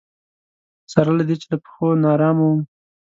سره له دې چې له پښو ناارامه وم.